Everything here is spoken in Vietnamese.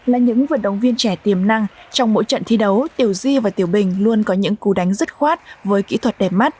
là những vận động viên trẻ tiềm năng trong mỗi trận thi đấu tiểu di và tiểu bình luôn có những cú đánh rất khoát với kỹ thuật đẹp mắt